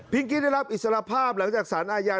กี้ได้รับอิสรภาพหลังจากสารอาญา